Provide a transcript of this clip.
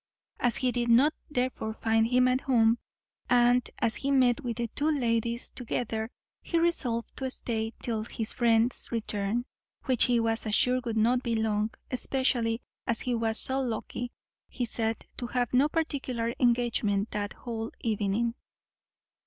As he did not therefore find him at home, and as he met with the two ladies together, he resolved to stay till his friend's return, which he was assured would not be long, especially as he was so lucky, he said, to have no particular engagement that whole evening.